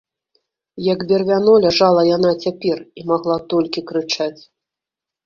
Як бервяно, ляжала яна цяпер і магла толькі крычаць.